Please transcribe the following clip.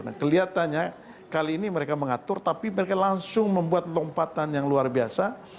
nah kelihatannya kali ini mereka mengatur tapi mereka langsung membuat lompatan yang luar biasa